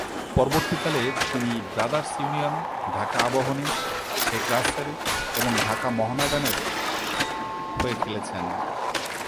পরবর্তীকালে, তিনি Brothers Union, Dhaka Abahani, Sheikh Russel এবং ঢাকা মোহামেডানের হয়ে খেলেছেন।